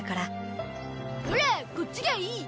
オラこっちがいい！